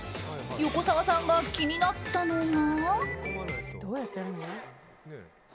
横澤さんが気になったのが。